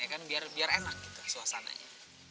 ya kan biar enak gitu suasananya